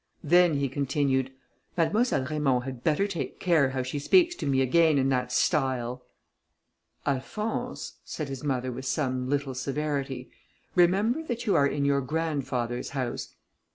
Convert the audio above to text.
then he continued, "Mademoiselle Raymond had better take care how she speaks to me again in that style." "Alphonse," said his mother with some little severity, "remember that you are in your grandfather's house."